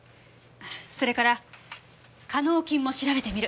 それから化膿菌も調べてみる。